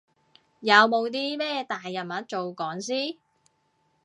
有冇啲咩大人物做講師？